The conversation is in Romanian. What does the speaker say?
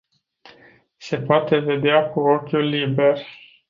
Se poate vedea cu ochiul liber.